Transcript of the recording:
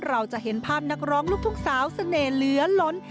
เราจะเห็นภาพนักร้องลูกทุ่งสาวเสน่ห์เหลือล้น